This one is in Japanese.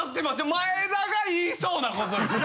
前田が言いそうなことですよね？